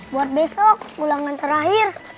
buat besok ulangan terakhir